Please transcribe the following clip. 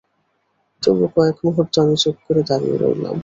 তবু কয়েক মুহুর্ত আমি চুপ করে দাঁড়িয়ে রইলাম।